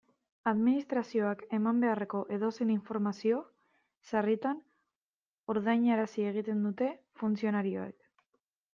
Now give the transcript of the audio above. Administrazioak eman beharreko edozein informazio sarritan ordainarazi egiten dute funtzionarioek.